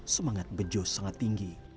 semangat bejo sangat tinggi